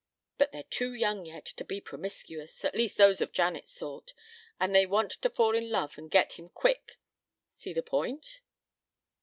But they're too young yet to be promiscuous, at least those of Janet's sort, and they want to fall in love and get him quick. See the point?"